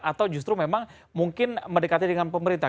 atau justru memang mungkin mendekati dengan pemerintah